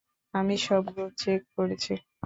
আমি সব group check করেছি।